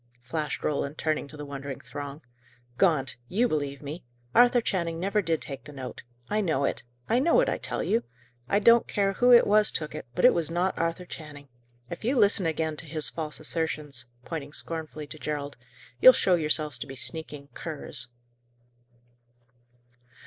_" flashed Roland, turning to the wondering throng "Gaunt, you believe me Arthur Channing never did take the note. I know it. I know it, I tell you! I don't care who it was took it, but it was not Arthur Channing. If you listen again to his false assertions," pointing scornfully to Gerald, "you'll show yourselves to be sneaking curs."